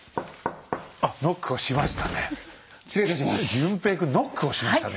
淳平君ノックをしましたね